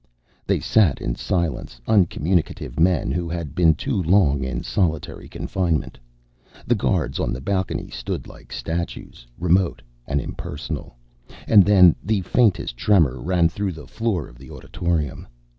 They sat in silence, uncommunicative men who had been too long in solitary confinement. The guards on the balcony stood like statues, remote and impersonal. And then the faintest tremor ran through the floor of the auditorium.